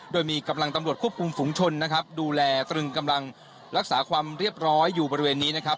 โดยมีกำลังตำรวจควบคุมฝุงชนนะครับดูแลตรึงกำลังรักษาความเรียบร้อยอยู่บริเวณนี้นะครับ